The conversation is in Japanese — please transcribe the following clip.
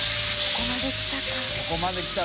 ここまできたか。